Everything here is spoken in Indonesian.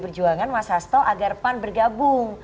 perjuangan mas hasto agar pan bergabung